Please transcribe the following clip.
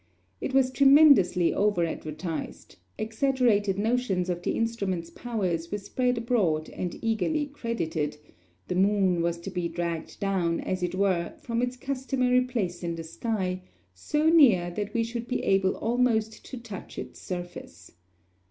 It was tremendously over advertised; exaggerated notions of the instrument's powers were spread abroad and eagerly credited; the moon was to be dragged down, as it were, from its customary place in the sky, so near that we should be able almost to touch its surface.